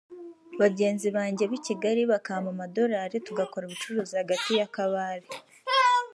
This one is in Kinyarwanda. bagenzi banjye b’i Kigali bakampa amadorali tugakora ubucuruzi hagati ya Kabale